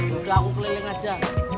udah aku keliling aja